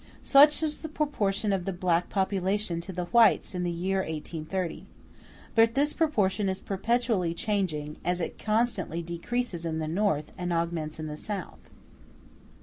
Such was the proportion of the black population to the whites in the year 1830. But this proportion is perpetually changing, as it constantly decreases in the North and augments in the South.